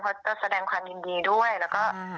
เพราะจะแสดงความยินดีด้วย